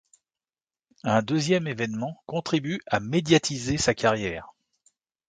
Un deuxième évènement contribue à médiatiser sa carrière.